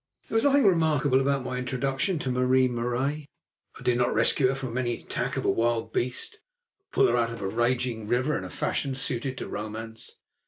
There was nothing remarkable about my introduction to Marie Marais. I did not rescue her from any attack of a wild beast or pull her out of a raging river in a fashion suited to romance.